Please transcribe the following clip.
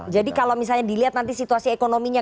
jadi kalau misalnya dilihat nanti situasi ekonominya